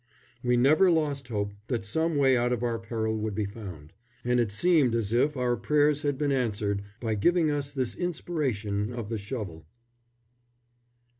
We never lost hope that some way out of our peril would be found and it seemed as if our prayers had been answered by giving us this inspiration of the shovel.